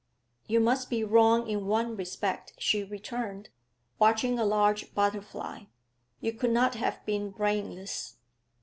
'You must be wrong in one respect,' she returned, watching a large butterfly. 'You could not have been brainless.'